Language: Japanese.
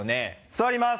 座ります！